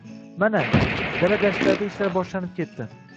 Mana, dala-dashtlarda ishlar boshlanib ketdi.